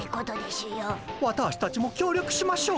ワターシたちもきょう力しましょう。